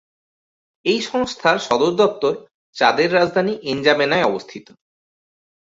এই সংস্থার সদর দপ্তর চাদের রাজধানী এনজামেনায় অবস্থিত।